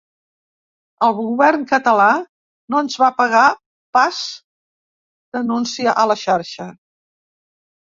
El govern català no ens va pagar pas, denuncia a la xarxa.